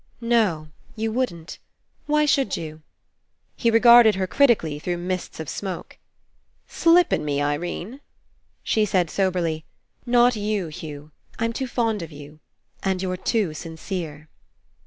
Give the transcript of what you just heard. "No, you wouldn't. Why should you?" He regarded her critically through mists of smoke. "Slippln' me, Irene?" She said soberly: "Not you, Hugh. I'm too fond of you. And you're too sincere."